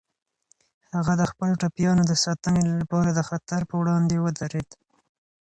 هغه د خپلو ټپيانو د ساتنې لپاره د خطر په وړاندې ودرید.